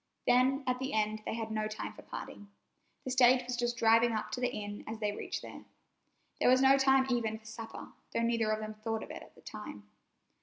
Then at the end they had no time for parting. The stage was just driving up to the inn as they reached there. There was no time even for supper, though neither of them thought of it at the time.